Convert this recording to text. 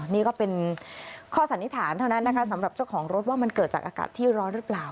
นี่ก็เป็นข้อสันนิษฐานเท่านั้นนะคะสำหรับเจ้าของรถว่ามันเกิดจากอากาศที่ร้อนหรือเปล่า